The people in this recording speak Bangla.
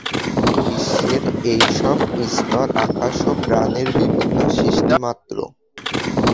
বিশ্বের এইসব স্তর আকাশ ও প্রাণের বিভিন্ন সৃষ্টিমাত্র।